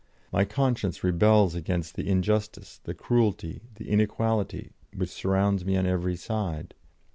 My conscience rebels against the injustice, the cruelty, the inequality, which surround me on every side.